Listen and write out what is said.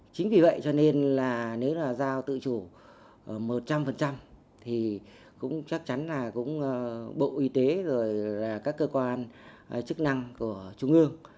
chính vì vậy cho nên là nếu là giao tự chủ một trăm linh thì cũng chắc chắn là cũng bộ y tế rồi là các cơ quan chức năng của trung ương